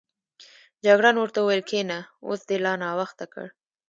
جګړن ورته وویل کېنه، اوس دې لا ناوخته کړ.